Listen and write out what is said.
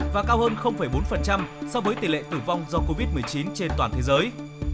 và cao hơn bốn so với tỷ lệ tử vong do covid một mươi chín trên toàn thế giới